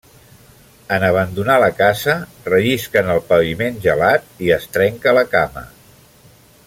En abandonar la casa, rellisca en el paviment gelat i es trenca la cama.